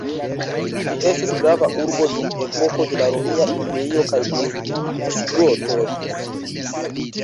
Ĝi estis grava urbo dum epoko de la Romia Imperio kaj de visigotoj.